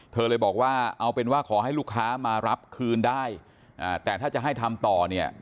เธอเลยบอกว่าเอาเป็นว่าขอให้ลูกค้ามารับคืนได้แต่ถ้าจะให้ทำต่อเนี่ย